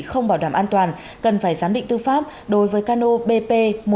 không bảo đảm an toàn cần phải giám định tư pháp đối với cano bp một trăm hai mươi nghìn bốn trăm linh hai